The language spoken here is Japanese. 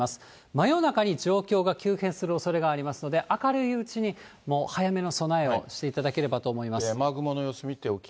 真夜中に状況が急変するおそれがありますので、明るいうちに、もう早めの備えをしていただければと思います。